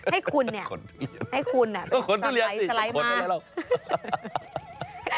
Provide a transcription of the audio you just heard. ให้คุณเนี่ยให้คุณเนี่ยสะลายสะลายมาก